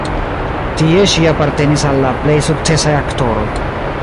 Tie ŝi apartenis al la plej sukcesaj aktoroj.